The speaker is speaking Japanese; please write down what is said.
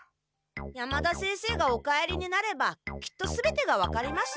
山田先生がお帰りになればきっと全てが分かります。